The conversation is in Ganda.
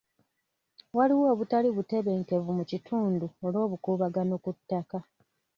Waliwo obutali butebenkevu mu kitundo olw'obukuubagano ku ttaka.